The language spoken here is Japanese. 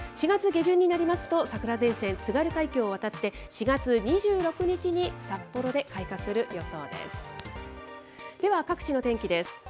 ４月下旬になりますと、桜前線、津軽海峡を渡って、４月２６日に札幌で開花する予想です。